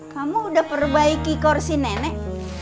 kamu udah perbaiki kursi nenek